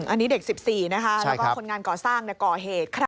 อันนี้เด็ก๑๔นะคะแล้วก็คนงานก่อสร้างก่อเหตุ